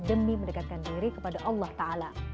demi mendekatkan diri kepada allah ta'ala